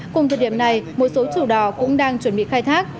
cùng thời điểm này một số chủ đò cũng đang chuẩn bị khai thác